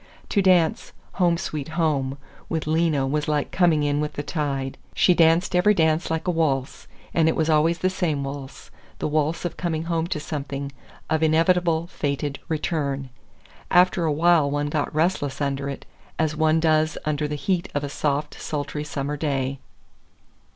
To dance "Home, Sweet Home," with Lena was like coming in with the tide. She danced every dance like a waltz, and it was always the same waltz—the waltz of coming home to something, of inevitable, fated return. After a while one got restless under it, as one does under the heat of a soft, sultry summer day.